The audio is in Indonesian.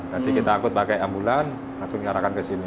jadi kita angkut pakai ambulans langsung diarahkan ke sini